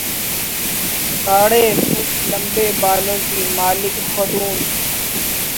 ساڑھے فٹ لمبے بالوں کی مالک خاتون